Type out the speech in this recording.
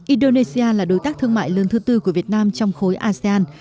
indonesia là đối tác thương mại lớn thứ tư của việt nam trong khối asean